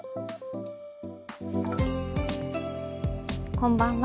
こんばんは。